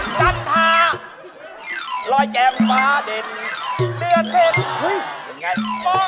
จันทารอยแจมฟ้าเด่นเดือนเผ็ด